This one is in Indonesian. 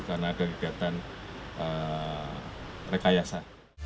karena ada kegiatan rekayasa